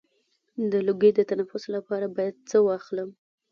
د لوګي د تنفس لپاره باید څه واخلم؟